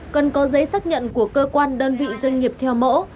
cần có giấy xét nghiệm của cơ quan đơn vị doanh nghiệp theo mẫu